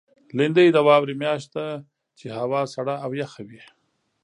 لېندۍ د واورې میاشت ده، چې هوا سړه او یخه وي.